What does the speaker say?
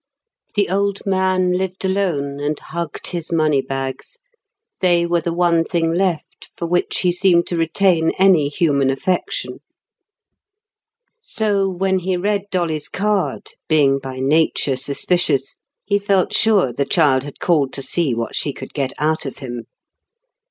The old man lived alone, and hugged his money bags. They were the one thing left for which he seemed to retain any human affection. So, when he read Dolly's card, being by nature suspicious, he felt sure the child had called to see what she could get out of him.